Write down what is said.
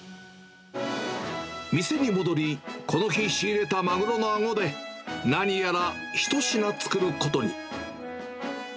店に戻り、この日、仕入れたマグロのアゴで、何やら一品作ることに。